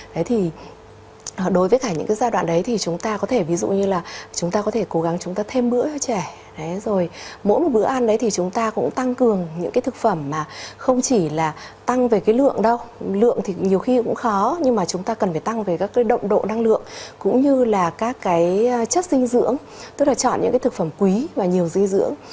đấy thì đối với cả những cái giai đoạn đấy thì chúng ta có thể ví dụ như là chúng ta có thể cố gắng chúng ta thêm bữa cho trẻ mỗi một bữa ăn đấy thì chúng ta cũng tăng cường những cái thực phẩm mà không chỉ là tăng về cái lượng đâu lượng thì nhiều khi cũng khó nhưng mà chúng ta cần phải tăng về các cái động độ năng lượng cũng như là các cái chất dinh dưỡng tức là chọn những cái thực phẩm quý và nhiều dinh dưỡng